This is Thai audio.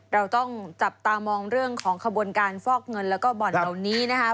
เราต้องจับตามองเรื่องของขบวนการฟอกเงินแล้วก็บ่อนเหล่านี้นะครับ